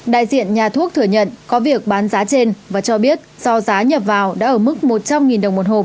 đại diện nhà thuốc thừa nhận có việc bán giá trên và cho biết do giá nhập vào đã ở mức một trăm linh đồng một hộp